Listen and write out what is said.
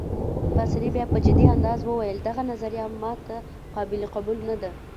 پاسیني بیا په جدي انداز وویل: دغه نظریه ما ته قابل قبول نه ده.